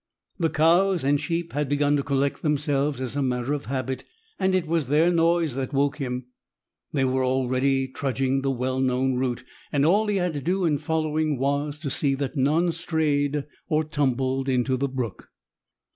The cows and sheep had begun to collect themselves as a matter of habit, and it was their noise that woke him. They were already trudging the well known route, and all he had to do in following was to see that none strayed, or tumbled into the brook.